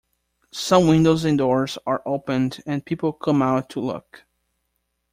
Some windows and doors are opened, and people come out to look.